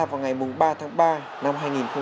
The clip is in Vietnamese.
vào ngày ba tháng ba năm hai nghìn một mươi chín